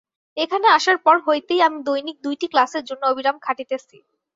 এখানে আসার পর হইতেই আমি দৈনিক দুইটি ক্লাসের জন্য অবিরাম খাটিতেছি।